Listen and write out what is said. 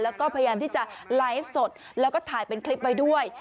แล้วก็พยายามที่จะไลฟ์สดแล้วก็ถ่ายเป็นคลิปไว้ด้วย